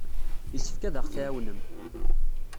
Yessefk ad aɣ-tɛawnem.